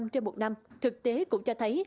trên một năm thực tế cũng cho thấy